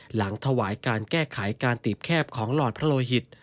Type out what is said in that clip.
หลังถวายการแก้ไขการตีบแคบของหลอดพระโลหิต